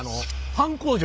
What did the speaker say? パン工場？